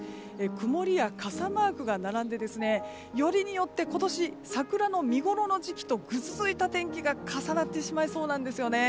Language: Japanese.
曇りや傘マークが並んでよりによって今年、桜の見ごろの時期とぐずついた時期が重なってしまいそうなんです。